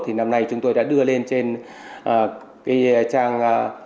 thì năm nay chúng tôi đã đưa lên trên cái trang